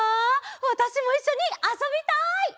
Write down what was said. わたしもいっしょにあそびたい！